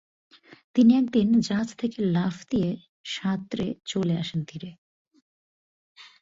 তিনি একদিন জাহাজ থেকে লাফ দিয়ে সাঁতরে চলে আসেন তীরে।